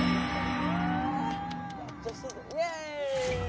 イエーイ！